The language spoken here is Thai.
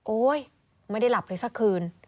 โอ๊ยไม่ได้หลับเลยสักคืน